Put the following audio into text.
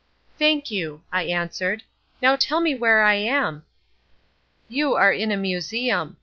"Thank you," I answered. "Now tell me where I am?" "You are in a museum.